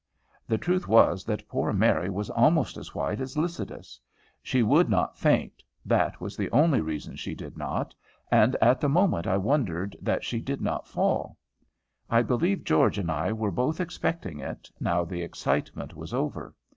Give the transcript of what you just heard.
The truth was that poor Mary was almost as white as Lycidas. She would not faint, that was the only reason she did not, and at the moment I wondered that she did not fall. I believe George and I were both expecting it, now the excitement was over.